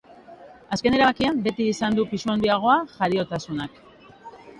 Azken erabakian, beti izan du pisu handiagoa jariotasunak.